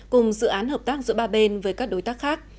cùng dự án hợp tác giữa ba bên với các đối tác khác